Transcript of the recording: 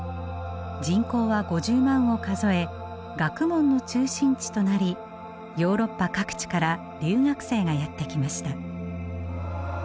人口は５０万を数え学問の中心地となりヨーロッパ各地から留学生がやって来ました。